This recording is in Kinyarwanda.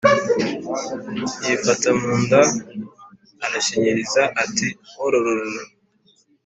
Yifata mu nda arashinyiriza ati: “Ororororo!